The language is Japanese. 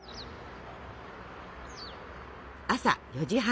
朝４時半。